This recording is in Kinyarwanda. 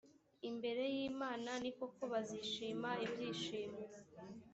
imbere y imana ni koko bazishima ibyishimo